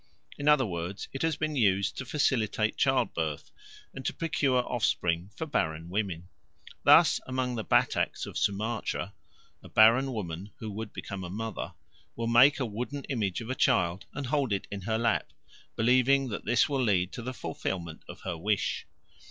In other words, it has been used to facilitate childbirth and to procure offspring for barren women. Thus among the Bataks of Sumatra a barren woman, who would become a mother, will make a wooden image of a child and hold it in her lap, believing that this will lead to the fulfilment of her wish.